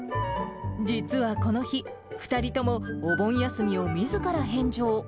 実はこの日、２人ともお盆休みをみずから返上。